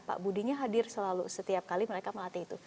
pak budinya hadir selalu setiap kali mereka melatih itu